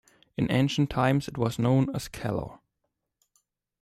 In ancient times it was known as Calor.